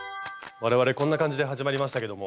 我々こんな感じで始まりましたけども。